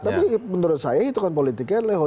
tapi menurut saya hitungan politiknya leho